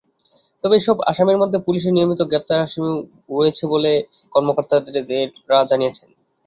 তবে এসব আসামির মধ্যে পুলিশের নিয়মিত গ্রেপ্তারের আসামিও রয়েছে বলে কর্মকর্তারা জানিয়েছেন।